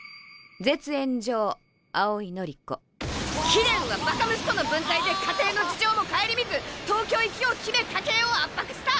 貴殿はバカ息子の分際で家庭の事情も顧みず東京行きを決め家計を圧迫した。